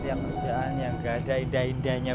tuan yang kerjaannya gak ada indah indahnya